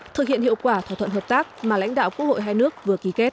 thực hiện hiệu quả thỏa thuận hợp tác mà lãnh đạo quốc hội hai nước vừa ký kết